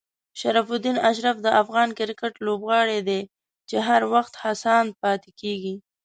شرف الدین اشرف د افغان کرکټ لوبغاړی دی چې هر وخت هڅاند پاتې کېږي.